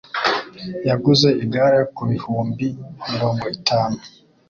Yaguze igare ku bihumbi mirongo itanu.